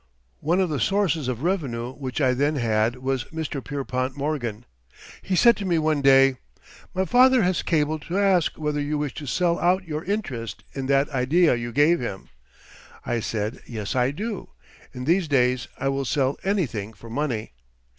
One of the sources of revenue which I then had was Mr. Pierpont Morgan. He said to me one day: "My father has cabled to ask whether you wish to sell out your interest in that idea you gave him." I said: "Yes, I do. In these days I will sell anything for money."